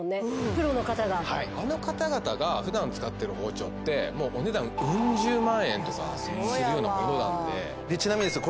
プロの方がはいあの方々が普段使ってる包丁ってもうお値段ウン十万円とかするようなものなのででちなみにですよ